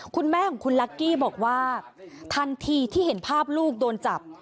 คุณแม่ของคุณลักกี้บอกว่าทันทีที่เห็นภาพลูกโดนจับ